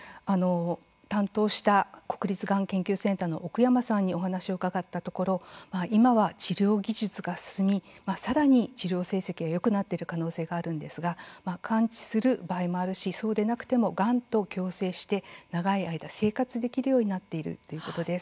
担当した国立がん研究センター奥山さんに話を聞いたところ今は治療技術が進みさらに治療成績がよくなっている可能性があるんですが完治する場合もありますしそうでなくても、がんと共生して長い間、生活できるようになっているということです。